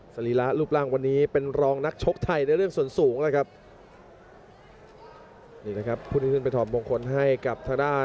สรีร้าลูปร่างวันนี้เป็นรองนักชกไทยในเรื่องส่วนสูงแล้วครับ